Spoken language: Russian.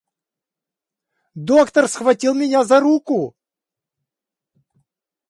— Доктор схватил меня за руку.